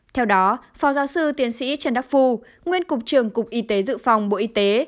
theo đó phó giáo sư tiến sĩ trần đắc phu nguyên cục trưởng cục y tế dự phòng bộ y tế